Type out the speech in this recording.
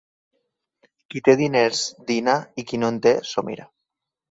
Qui té diners dina i qui no en té s'ho mira.